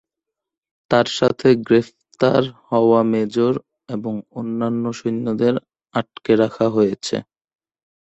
তার সাথে গ্রেপ্তার হওয়া মেজর এবং অন্যান্য সৈন্যদের আটকে রাখা হয়েছে।